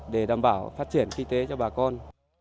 để đảm bảo phát triển kinh tế cho bà con